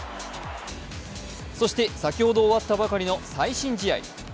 そして先ほど終わったばかりの最新試合。